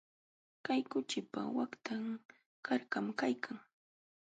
Kay kuchipa waqtan karkam kaykan.